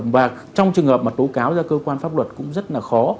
và trong trường hợp mà tố cáo ra cơ quan pháp luật cũng rất là khó